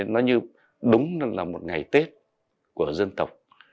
nó như đúng là một ngày tết của dân tộc